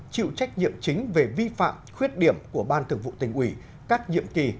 chịu trách nhiệm chính về vi phạm khuyết điểm của ban thường vụ tỉnh ủy các nhiệm kỳ